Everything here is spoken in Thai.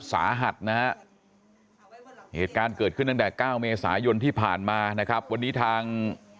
สาหัสนะฮะเหตุการณ์เกิดขึ้นตั้งแต่เก้าเมษายนที่ผ่านมานะครับวันนี้ทาง